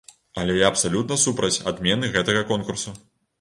Але я абсалютна супраць адмены гэтага конкурсу.